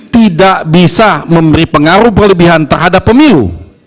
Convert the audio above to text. tidak bisa memberi pengaruh berlebihan terhadap pemilu